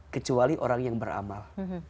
kecuali orang yang beramal